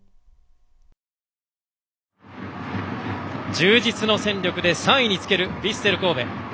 充実の戦力で３位につけるヴィッセル神戸。